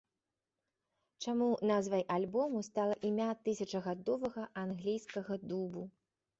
Чаму назвай альбому стала імя тысячагадовага англійскага дубу?